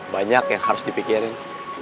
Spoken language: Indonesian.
banyak yang harus dipikirin